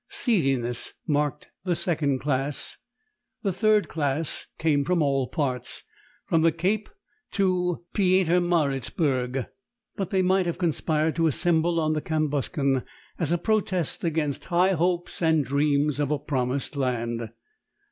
Seediness marked the second class; the third class came from all parts, from the Cape to Pietermaritzburg, but they might have conspired to assemble on the Cambuscan as a protest against high hopes and dreams of a promised land.